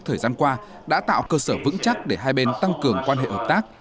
thời gian qua đã tạo cơ sở vững chắc để hai bên tăng cường quan hệ hợp tác